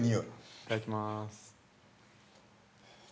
◆いただきます。